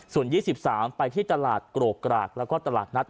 ส่วน๒๓ไปที่ตลาดโกรกกรากแล้วก็ตลาดนัด